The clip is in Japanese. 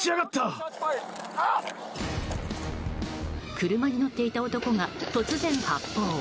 車に乗っていた男が突然、発砲。